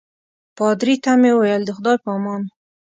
پادري ته مې وویل د خدای په امان.